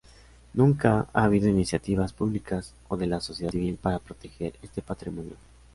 Nunca ha habido iniciativas públicas o de la sociedad civil para proteger este patrimonio.